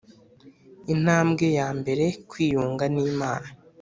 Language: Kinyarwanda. intambwe ya mbere: kwiyunga n’imana